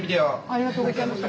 ありがとうございます。